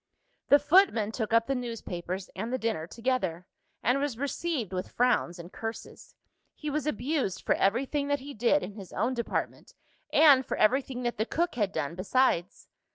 The footman took up the newspapers and the dinner together and was received with frowns and curses. He was abused for everything that he did in his own department, and for everything that the cook had done besides.